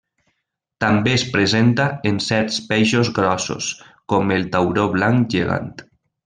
També es presenta en certs peixos grossos, com el tauró blanc gegant.